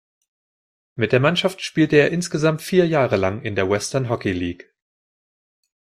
Mit der Mannschaft spielte er insgesamt vier Jahre lang in der Western Hockey League.